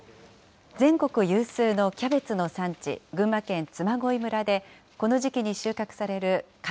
全国有数のキャベツの産地、群馬県嬬恋村で、この時期に収穫される夏